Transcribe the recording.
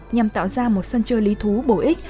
nhằm tạo ra một sân chơi lý thú bổ ích